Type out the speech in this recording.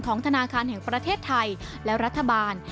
ธนาคารแห่งประเทศไทยและรัฐบาล